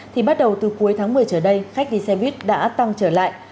thì bắt đầu từ cuối tháng một mươi trở đây khách đi xe buýt đã tăng trở lại